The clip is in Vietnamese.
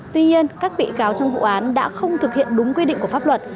tuy nhiên các bị cáo trong vụ án đã không thực hiện đúng quy định của pháp luật